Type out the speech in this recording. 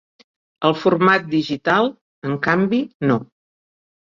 El format digital, en canvi, no.